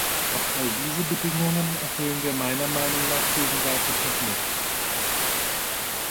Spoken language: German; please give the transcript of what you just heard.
Doch all diese Bedingungen erfüllen wir meiner Meinung nach gegenwärtig noch nicht.